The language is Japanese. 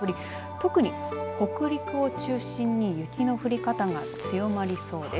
特に北陸を中心に雪の降り方が強まりそうです。